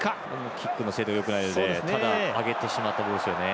キックの精度よくないのでただ上げてしまったボールですね。